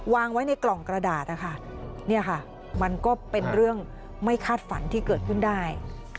วางไว้ในกล่องกระดาษนะคะเนี่ยค่ะมันก็เป็นเรื่องไม่คาดฝันที่เกิดขึ้นได้